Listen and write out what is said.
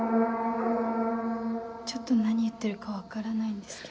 ちょっと何言ってるか分からないんですけど。